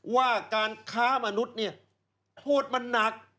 ว่าการค้ามนุษย์เนี่ยโทษมันหนัก